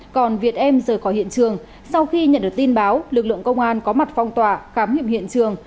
còn việt em rời khỏi hiện trường sau khi nhận được tin báo lực lượng công an có mặt phong tỏa khám nghiệm hiện trường